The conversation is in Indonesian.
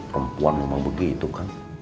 perempuan memang begitu kan